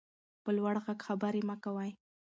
په لوړ غږ خبرې مه کوئ.